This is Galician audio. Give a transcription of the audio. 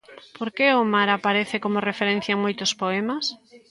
Por que o mar aparece como referencia en moitos poemas?